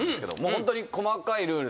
ホントに細かいルール